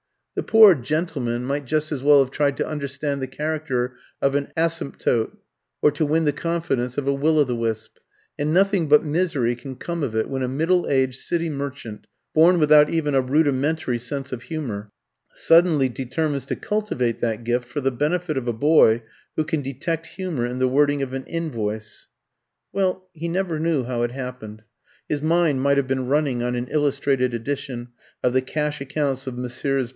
The poor gentleman might just as well have tried to understand the character of an asymptote, or to win the confidence of a Will o' the wisp; and nothing but misery can come of it when a middle aged city merchant, born without even a rudimentary sense of humour, suddenly determines to cultivate that gift for the benefit of a boy who can detect humour in the wording of an invoice. Well, he never knew how it happened his mind might have been running on an illustrated edition of the cash accounts of Messrs.